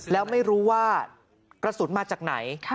แล้วไม่รู้ว่ากระสุนมาจากไหน